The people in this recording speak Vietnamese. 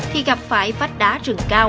khi gặp phải vách đá rừng cao